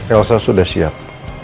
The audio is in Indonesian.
elsa sudah siap